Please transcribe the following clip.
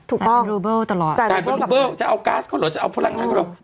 ถูกต้องเป็นลูเบิลตลอดจ่ายเบอร์ลูเบิลจะเอาก๊าซเขาเหรอจะเอาพลังงานเขาเหรอ